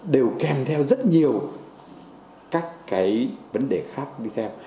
đều kèm theo rất nhiều các cái vấn đề khác đi theo